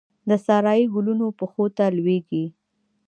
د سارايي ګلونو پښو ته لویږې